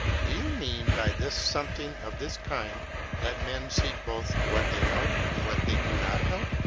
Do you mean by this something of this kind, that men seek both what they know and what they do not know?